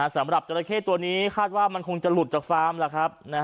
สำหรับจราเข้ตัวนี้คาดว่ามันคงจะหลุดจากฟาร์มล่ะครับ